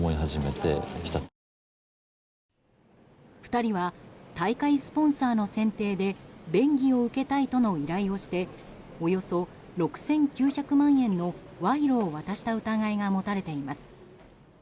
２人は大会スポンサーの選定で便宜を受けたいとの依頼をしておよそ６９００万円の賄賂を渡した疑いが持たれています。